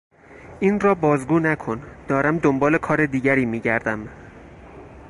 این را بازگو نکن; دارم دنبال کار دیگری میگردم.